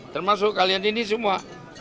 termasuk kalian ini semua